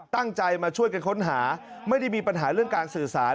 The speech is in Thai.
ตั้งใจมาช่วยกันค้นหาไม่ได้มีปัญหาเรื่องการสื่อสาร